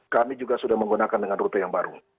kami juga sudah menggunakan dengan rute yang baru